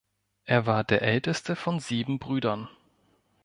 Er war der älteste von sieben Brüdern.